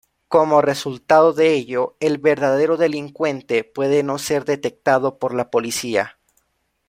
Como resultado de ello, el verdadero delincuente puede no ser detectado por la policía.